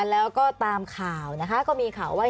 แล้วก็ตามข่าวนะคะก็มีข่าวว่า